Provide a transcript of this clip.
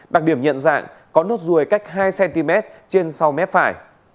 đặc điểm nhận dạng có nốt ruồi cách hai cm trên sau mép phải